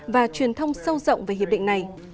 và truyền thông sâu rộng về hiệp định này